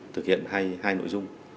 thực hiện hai nội dung